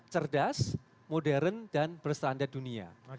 cerdas modern dan berstandar dunia